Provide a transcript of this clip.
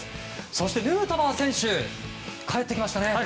そして、ヌートバー選手が帰ってきましたね。